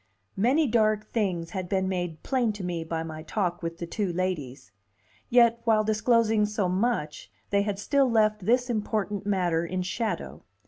Many dark things had been made plain to me by my talk with the two ladies; yet while disclosing so much, they had still left this important matter in shadow.